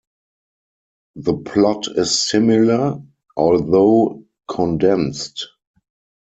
The plot is similar, although condensed.